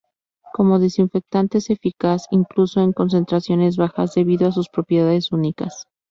Como desinfectante es eficaz incluso en concentraciones bajas debido a sus propiedades únicas.